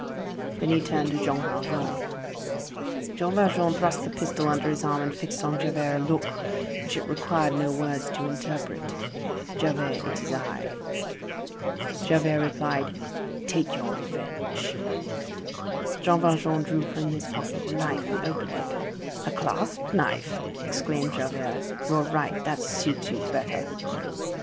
Then he turned to Jean Valjean. Jean Valjean thrust the pistol under his arm and fixed on Javert a look which it required no words to interpret: "Javert, it is I." Javert replied: "Take your revenge." Jean Valjean drew from his pocket a knife, and opened it. "A clasp knife!" exclaimed Javert, "you are right. That suits you better."